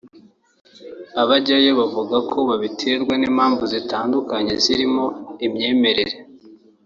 Abajyayo bavuga ko babiterwa n’impamvu zitandukanye zirimo imyemerere